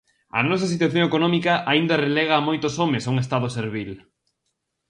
A nosa situación económica aínda relega a moitos homes a un estado servil.